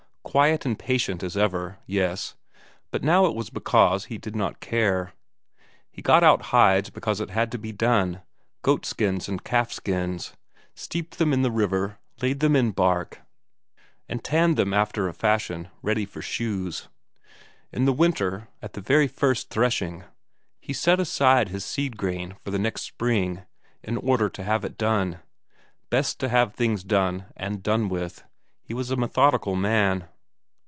Quiet and patient as ever yes, but now it was because he did not care. He got out hides because it had to be done goatskins and calfskins steeped them in the river, laid them in bark, and tanned them after a fashion ready for shoes. In the winter at the very first threshing he set aside his seed corn for the next spring, in order to have it done; best to have things done and done with; he was a methodical man.